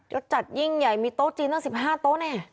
จัดยิ่งใหญ่มีโต๊ะจีนตั้ง๑๕โต๊ะแน่